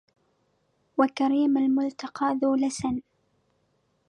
وكريم الملتقى ذو لسن